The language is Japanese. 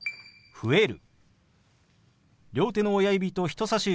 「増える」。